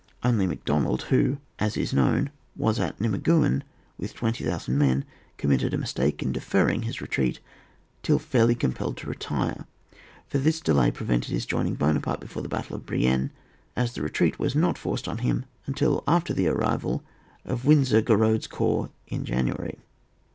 Only Macdonald, who, as is known, was at Nimeguen with twenty thousand men, committed a mistake in deferring his retreat till fairly compelled to retire, for this delay prevented his joining Buonaparte before the battle of Brienne, as the retreat was not forced on him until after the arrival of Winzur gerode's corps in January.